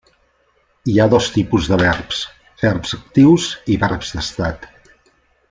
Hi ha dos tipus de verbs: verbs actius i verbs d'estat.